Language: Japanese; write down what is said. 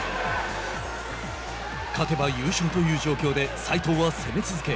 勝てば優勝という状況で斉藤は攻め続け